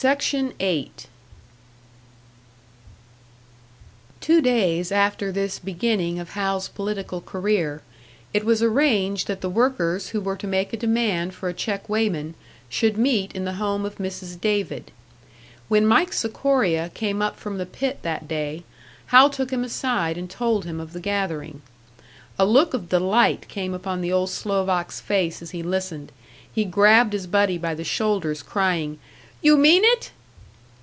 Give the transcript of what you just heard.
Two days after this beginning of Hal's political career, it was arranged that the workers who were to make a demand for a check weighman should meet in the home of Mrs. David. When Mike Sikoria came up from the pit that day, Hal took him aside and told him of the gathering. A look of delight came upon the old Slovak's face as he listened; he grabbed his buddy by the shoulders, crying, "You mean it?"